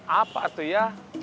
apa tuh ya